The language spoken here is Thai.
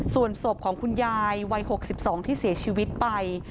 ส่วนศพของคุณยายวัย๖๒ที่เสียชีวิตไป